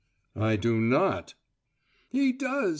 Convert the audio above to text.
"I do not!" "He does!